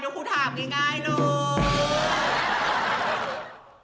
เดี๋ยวครูถามง่ายเนอะ